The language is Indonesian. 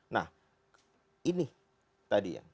nah ini tadi